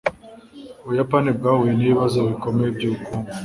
ubuyapani bwahuye nibibazo bikomeye byubukungu